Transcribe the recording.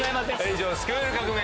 以上『スクール革命！